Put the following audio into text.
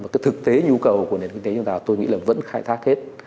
và cái thực tế nhu cầu của nền kinh tế chúng ta tôi nghĩ là vẫn khai thác hết